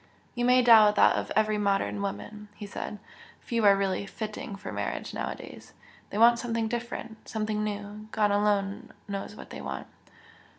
"You may doubt that of every modern woman!" he said "Few are really 'fitting' for marriage nowadays. They want something different something new! God alone knows what they want!"